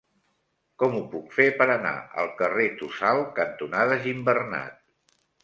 Com ho puc fer per anar al carrer Tossal cantonada Gimbernat?